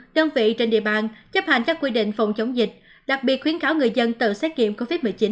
đơn vị trên địa bàn chấp hành các quy định phòng chống dịch đặc biệt khuyến cáo người dân tự xét nghiệm covid một mươi chín